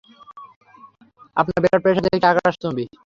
আপনার blood pressure দেখি আকাশচুম্বী।